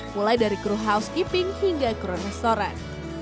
mulai dari kru housekeeping hingga kru restoran